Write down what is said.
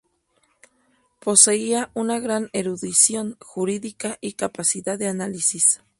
Poseía una gran erudición jurídica y capacidad de análisis.